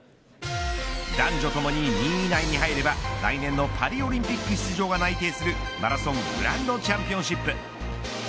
男女ともに、２位以内に入れば来年のパリオリンピック出場が内定するマラソングランドチャンピオンシップ。